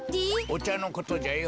おちゃのことじゃよ。